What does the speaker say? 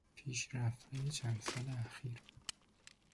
پیشرفتهای چند سال اخیر